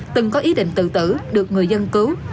từng có ý định tự tử được người dân cứu